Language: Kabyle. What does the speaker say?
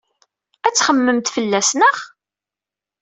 Ad txemmememt fell-as, naɣ?